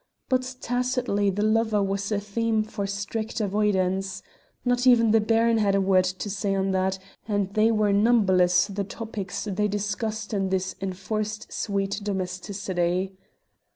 But tacitly the lover was a theme for strict avoidance. Not even the Baron had a word to say on that, and they were numberless the topics they discussed in this enforced sweet domesticity.